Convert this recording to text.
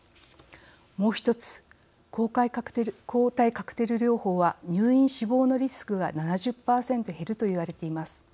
もう一つ、抗体カクテル療法は入院・死亡のリスクが７０％減るといわれています。